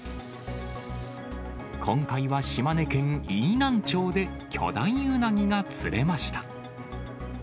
今回は島根県飯南町で巨大ウナギが釣れました。